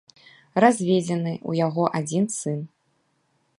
Разведзены, у яго адзін сын.